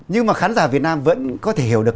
nhưng mà khán giả việt nam vẫn có thể hiểu được